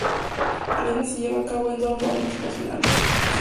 La misma se lleva a cabo en dos rondas, el Open y las finales.